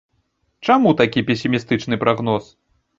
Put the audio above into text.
Чаму такі песімістычны прагноз?